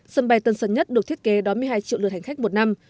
sân bay tân sơn nhất được thiết kế đón một mươi hai triệu lượt hành khách một năm